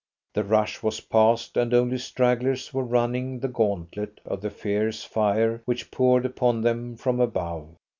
The rush was past, and only stragglers were running the gauntlet of the fierce fire which poured upon them from above.